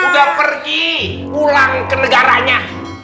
juga pergi pulang ke negaranya